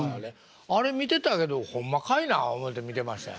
あれ見てたけどホンマかいな思うて見てましたよ。